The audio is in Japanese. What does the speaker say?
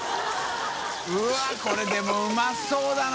舛これでもうまそうだな。